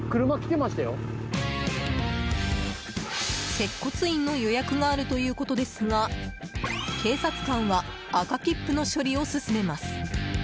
接骨院の予約があるということですが警察官は赤切符の処理を進めます。